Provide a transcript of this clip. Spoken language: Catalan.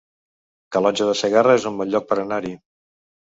Calonge de Segarra es un bon lloc per anar-hi